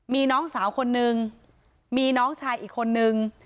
มีน้องสาวคนนึงมีน้องชายอีกคนนึง